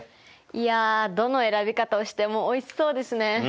いやどの選び方をしてもおいしそうですね。